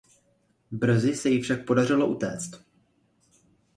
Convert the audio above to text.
Brzy se jí však podařilo utéct.